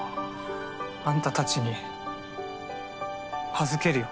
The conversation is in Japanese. あんたたちに預けるよ